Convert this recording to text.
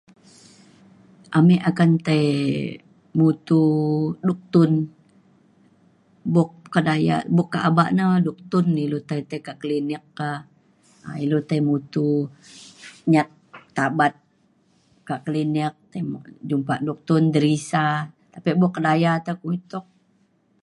Ame akan tai mutu duktun buk kedaya buk kaba na duktun ilu tai tekak klinik ka um ilu tai mutu nyat tabat kak klinik tai jumpa duktun terisa tapek buk kedaya te kumbin tuk